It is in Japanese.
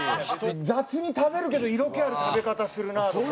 雑に食べるけど色気ある食べ方するなあとか。